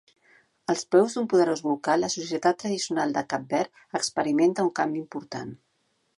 Als peus d'un poderós volcà, la societat tradicional de Cap Verd experimenta un canvi important.